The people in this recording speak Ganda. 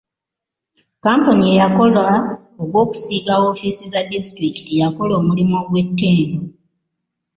Kampuni eyakola ogw'okusiiga woofiisi za disitulikiti yakola omulimu ogw'ettendo.